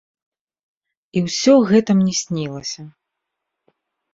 І ўсё гэта мне снілася.